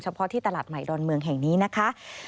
เพราะที่ตลาดใหม่ดอนเมืองแห่งนี้นะคะ